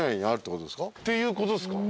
っていうことっすか？